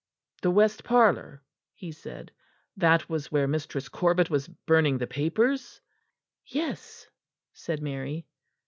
"The west parlour!" he said. "That was where Mistress Corbet was burning the papers?" "Yes," said Mary.